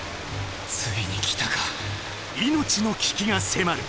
ついに来たか命の危機が迫る！